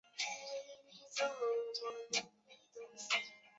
以取代。